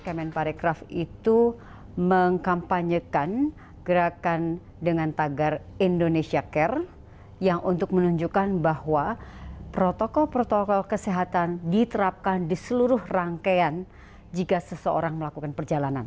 kemen parekraf itu mengkampanyekan gerakan dengan tagar indonesia care yang untuk menunjukkan bahwa protokol protokol kesehatan diterapkan di seluruh rangkaian jika seseorang melakukan perjalanan